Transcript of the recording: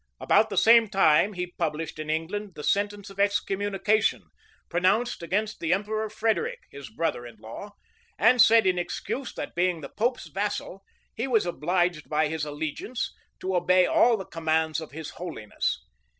About the same time he published in England the sentence of excommunication, pronounced against the emperor Frederic, his brother in law;[] and said in excuse, that, being the pope's vassal, he was obliged by his allegiance to obey all the commands of his holiness.